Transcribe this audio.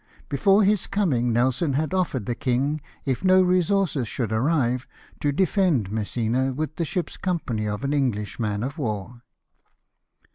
Before his coming. Nelson had ofi'ered the king, if no resources should arrive, to defend Messina with the ship's company of an English man of war.